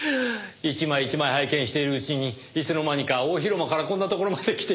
一枚一枚拝見しているうちにいつの間にか大広間からこんな所まで来てしまいました。